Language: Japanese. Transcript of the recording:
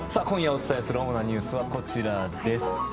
今夜お伝えする主なニュースはこちらです。